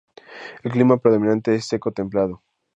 El clima predominante es seco templado.